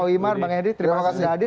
wimar bang edi terima kasih sudah hadir